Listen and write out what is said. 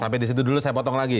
sampai di situ dulu saya potong lagi